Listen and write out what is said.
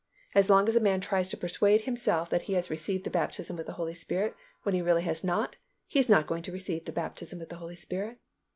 As long as a man tries to persuade himself that he has received the baptism with the Holy Spirit when he really has not, he is not going to receive the baptism with the Holy Spirit.